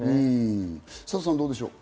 サトさん、どうでしょう？